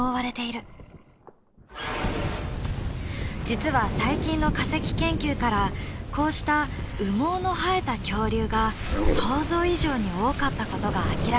実は最近の化石研究からこうした羽毛の生えた恐竜が想像以上に多かったことが明らかになっている。